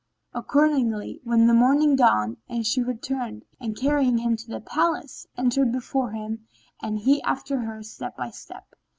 Accordingly, when the morning dawned, she returned and, carrying him to the palace, entered before him and he after her step by step.